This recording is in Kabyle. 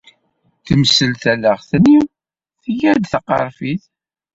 Temsel talaɣt-nni, tga-d taqerfit.